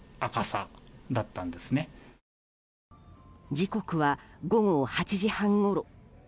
時刻は午後８時半ごろ。